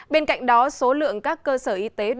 bên cạnh đó số lượng các cơ sở y tế